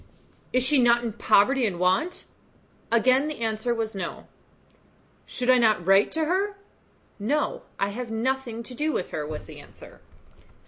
"Is she not in poverty and want?" Again the answer was "No." "Should not I write to her?" "No; have nothing to do with her," was the answer.